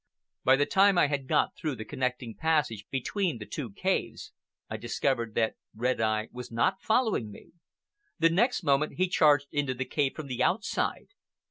By the time I had got through the connecting passage between the two caves, I discovered that Red Eye was not following me. The next moment he charged into the cave from the outside.